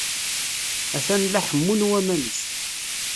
Atan la ḥemmun waman-is.